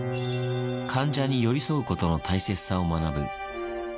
患者に寄り添うことの大切さを学ぶ。